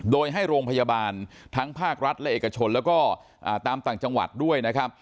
โดยให้โรงพยาบาลทั้งภาครัฐและเอกชนแล้วก็ตามต่างจังหวัดด้วยนะครับ